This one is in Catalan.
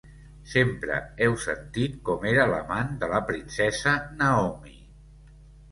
Sempre heu sentit com era l'amant de la princesa Naomi.